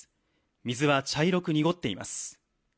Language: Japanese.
水は茶色く濁っています。